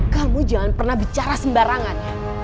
kamu jangan pernah bicara sembarangan